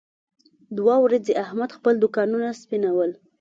دوه ورځې احمد خپل دوکانونه سپینول.